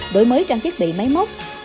đổi mới trang chức bị máy móc